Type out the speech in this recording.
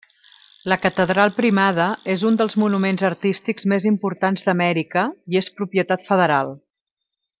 La Catedral Primada és un dels monuments artístics més importants d'Amèrica, i és propietat federal.